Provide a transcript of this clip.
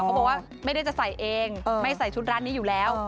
บอกว่าไม่ได้จะใส่เองไม่ใส่ชุดร้านนี้อยู่แล้ว